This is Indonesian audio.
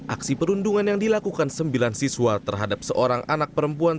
aksi perundungan yang dilakukan sembilan siswa terhadap seorang anak perempuan